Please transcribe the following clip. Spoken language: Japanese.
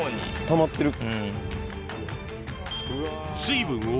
たまってる。